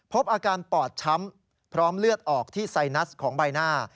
พบอาการปอดช้ำพร้อมเลือดออกที่ไซนัสของใบหน้า